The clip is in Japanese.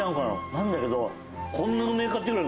なんだけど。